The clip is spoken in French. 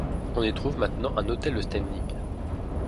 On y trouve maintenant un hôtel de standing.